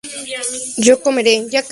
yo comeré